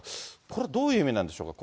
これ、どういう意味なんでしょうか。